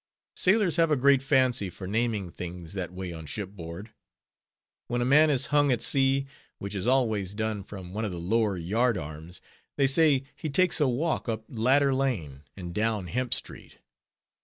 Sailors have a great fancy for naming things that way on shipboard. When a man is hung at sea, which is always done from one of the lower yard arms, they say he _"takes a walk up Ladder lane, and down Hemp street."